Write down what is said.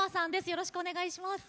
よろしくお願いします。